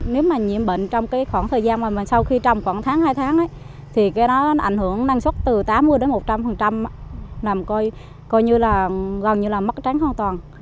nếu mà nhiễm bệnh trong khoảng thời gian mà sau khi trồng khoảng tháng hai tháng thì nó ảnh hưởng năng suất từ tám mươi đến một trăm linh gọi như là mất tránh hoàn toàn